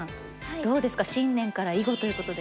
どうですか新年から囲碁ということで。